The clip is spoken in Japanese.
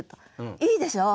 いいでしょう？